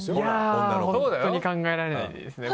本当に考えられないですね。